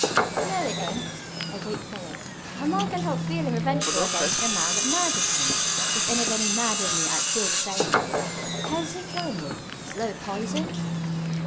"No, it ain't," agreed Philo. "A man can't help feeling revengeful against the man that murders him. If anybody murdered me I'd feel the same way. How's he killing you? Slow poison?"